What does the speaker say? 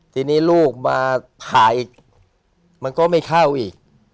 ทีนี้ลูกมาผ่าอีกมันก็ไม่เข้าอีก